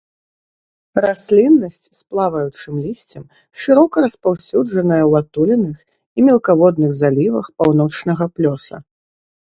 Расліннасць з плаваючымі лісцем шырока распаўсюджаная ў атуленых і мелкаводных залівах паўночнага плёса.